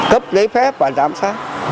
cấp giấy phép và giám sát